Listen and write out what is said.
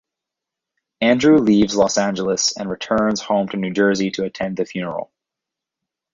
Andrew leaves Los Angeles and returns home to New Jersey to attend the funeral.